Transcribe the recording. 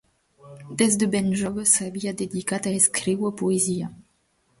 Des de ben jove s'havia dedicat a escriure poesia.